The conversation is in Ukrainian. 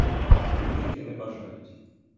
Люди йти не бажають.